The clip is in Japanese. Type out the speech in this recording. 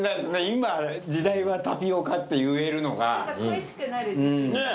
今「時代はタピオカ」って言えるのが。ねぇ。